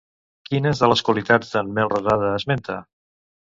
Quines de les qualitats d'en Melrosada esmenta?